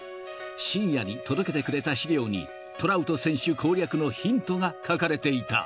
深夜に届けてくれた資料に、トラウト選手攻略のヒントが書かれていた。